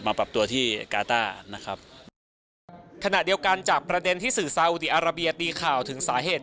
กับการเล่นในสภาพอากาศที่ประมาณทั้ง๔๓๔๕องศา